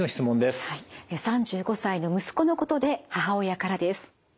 ３５歳の息子のことで母親からです。